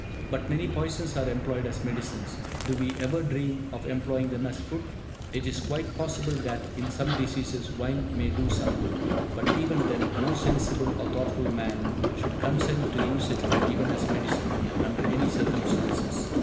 But many poisons are employed as medicines; do we ever dream of employing them as food? It is quite possible that, in some diseases, wine may do some good, but even then, no sensible, or thoughtful man should consent to use it even as medicine, under any circumstances.